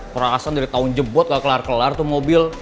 perasaan dari tahun jebot gak kelar kelar tuh mobil